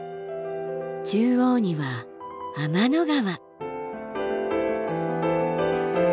中央には天の川。